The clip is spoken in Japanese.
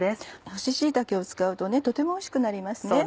干し椎茸を使うととてもおいしくなりますね。